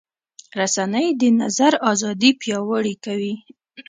رسنۍ د نظر ازادي پیاوړې کوي.